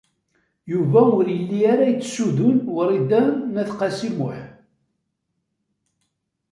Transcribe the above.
Yuba ur yelli ara yettsudun Wrida n At Qasi Muḥ.